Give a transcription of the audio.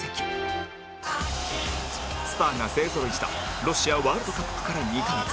スターが勢ぞろいしたロシアワールドカップから２カ月